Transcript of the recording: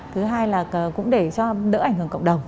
thứ hai là cũng để cho đỡ ảnh hưởng cộng đồng